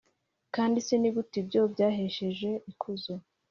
kandi se ni gute ibyo byahesheje ikuzo